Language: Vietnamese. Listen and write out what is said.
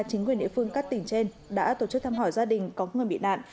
chính quyền địa phương các tỉnh trên đã tổ chức thăm hỏi gia đình có người bị nạn